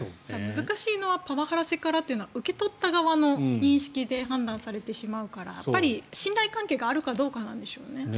難しいのはパワハラ、セクハラというのは受け取った側の認識で判断されてしまうから信頼関係があるかどうかなんでしょうね。